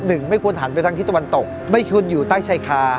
ไม่ควรหันไปทางที่ตะวันตกไม่ควรอยู่ใต้ชายคา